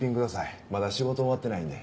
まだ仕事終わってないんで。